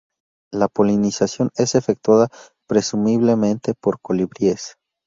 La polinización es efectuada presumiblemente por colibríes.